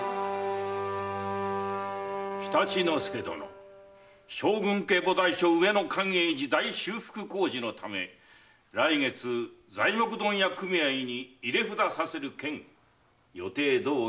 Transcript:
常陸介殿将軍家菩提所上野寛永寺大修復工事のため来月材木問屋組合に入れ札させる件予定どおり行えますかな？